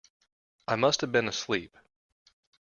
I must have been asleep.